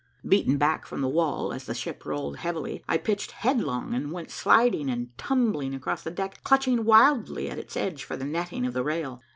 Beaten back from the wall, as the ship rolled heavily, I pitched headlong, and went sliding and tumbling across the deck, clutching wildly at its edge for the netting of the rail.